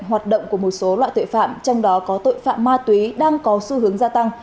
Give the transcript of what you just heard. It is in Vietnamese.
hoạt động của một số loại tội phạm trong đó có tội phạm ma túy đang có xu hướng gia tăng